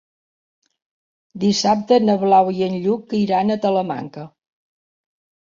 Dissabte na Blau i en Lluc iran a Talamanca.